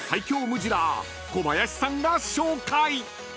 ムジラー小林さんが紹介］